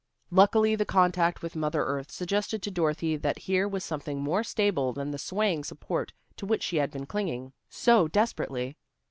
Luckily the contact with mother earth suggested to Dorothy that here was something more stable than the swaying support to which she had been clinging so desperately.